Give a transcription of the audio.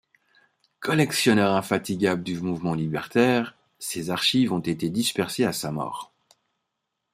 Collectionneur infatigable du mouvement libertaire, ses archives ont été dispersées à sa mort.